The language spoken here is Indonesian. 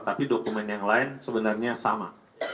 tapi dokumen yang lain sebenarnya sama